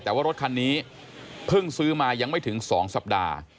แต่ว่ารถคันนี้เพิ่งซื้อมายังไม่ถึง๒สัปดาห์